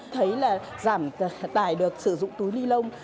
thấy là giảm tải được sử dụng túi ni lông